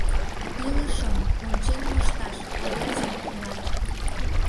Илышым ончен мошташ обязан улат.